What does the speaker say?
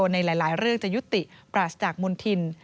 ในหลายเรื่องจะยุติปราศจากมณฑิน